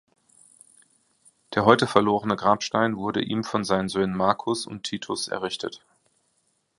Der heute verlorene Grabstein wurde ihm von seinen Söhnen Marcus und Titus errichtet.